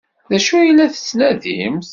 D acu ay la tettnadimt?